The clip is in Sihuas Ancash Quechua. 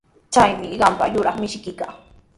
Chaymi qampa yuraq mishiykiqa.